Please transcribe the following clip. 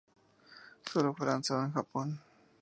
Sólo fue lanzado en Japón.